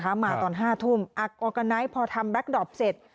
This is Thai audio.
ออกาไนท์มาตอนห้าทุ่มออกาไนท์พอทำรักดรอบเสร็จ